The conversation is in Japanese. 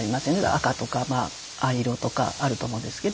赤とか藍色とかあると思うんですけど。